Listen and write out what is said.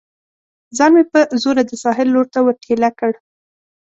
ځان مې په زوره د ساحل لور ته ور ټېله کړ.